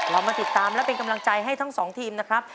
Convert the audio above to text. มาติดตามและเป็นกำลังใจให้ทั้งสองทีมนะครับ